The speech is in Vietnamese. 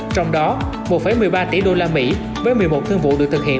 trong đó một một mươi ba tỷ usd với một mươi một thương vụ được thực hiện